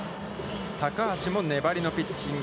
高橋も粘りのピッチング。